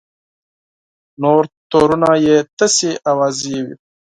نور تورونه یې تشې اوازې وې.